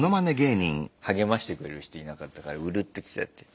励ましてくれる人いなかったからうるっと来ちゃって。